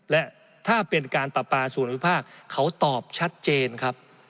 และถ้าเป็นการปราปาส่วนวิภาคเขาตอบชัดเจนครับ